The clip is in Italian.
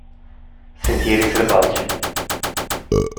Sentieri selvaggi.